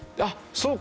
そうか。